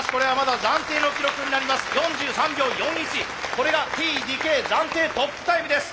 これがＴ・ＤＫ暫定トップタイムです。